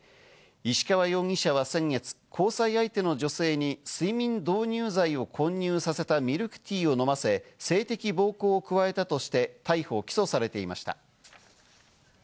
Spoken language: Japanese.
石川容疑者は先月、交際相手の女性に睡眠導入剤を混入させたミルクティーを飲ませ、性的暴行を加えたとして逮捕・起訴されていました。